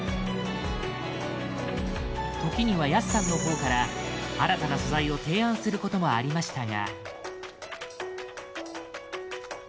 時には安さんの方から新たな素材の提案をすることもありましたが。